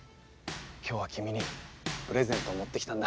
今日は君にプレゼントを持ってきたんだ。